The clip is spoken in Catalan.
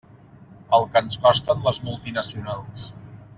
El que ens costen les multinacionals.